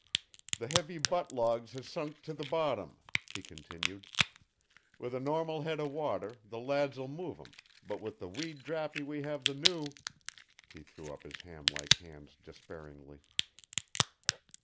"The heavy butt logs hae sunk to the bottom," he continued. "Wie a normal head o' water, the lads'll move them, but wi' the wee drappie we have the noo " He threw up his hamlike hands despairingly.